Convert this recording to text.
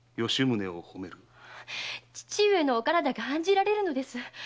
父上のお体が案じられるのです。